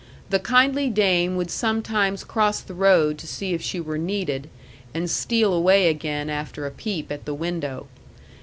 The kindly dame would sometimes cross the road to see if she were needed, and steal away again after a peep at the window.